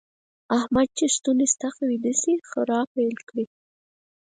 احمد چې ستونی ستخ ويده شي؛ خرا پيل کړي.